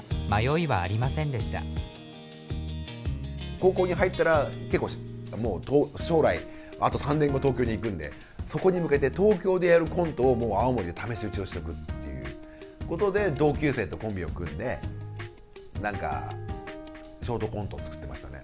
高校に入ったら結構将来あと３年後東京に行くんでそこに向けて東京でやるコントを青森で試し打ちをしとくっていうことで同級生とコンビを組んで何かショートコントを作ってましたね。